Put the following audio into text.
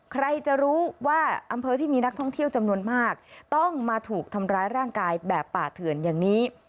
ใครจะรู้ว่าอำเภอที่มีนักท่องเที่ยวจำนวนมากต้องมาถูกทำร้ายร่างกายแบบป่าเถื่อนอย่างนี้